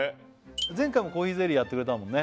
前回もコーヒーゼリーやってくれたもんね